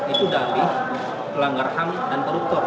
itu dari pelanggar ham dan produktor